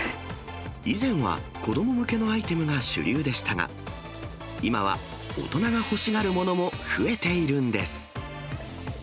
以前は子ども向けのアイテムが主流でしたが、今は大人が欲しがるものも増えているんです。